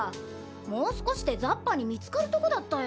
もうすこしでザッパにみつかるとこだったよ。